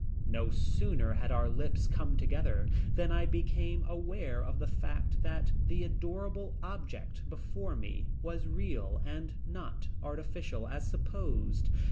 No sooner had our lips come together than I became aware of the fact that the adorable object before me was real and not artificial as supposed.